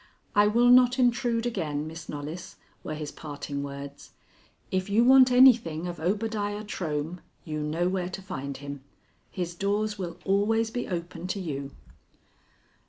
"I will not intrude again, Miss Knollys," were his parting words. "If you want anything of Obadiah Trohm, you know where to find him. His doors will always be open to you."